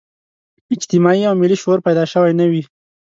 اجتماعي او ملي شعور پیدا شوی نه وي.